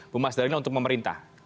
bu mas dalina untuk pemerintah